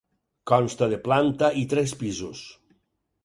Consta de planta i tres pisos.